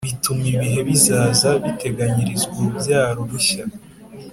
bituma ibihe bizaza biteganyirizwa urubyaro rushya.